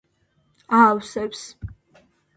აავსებს